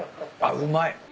「あっうまい」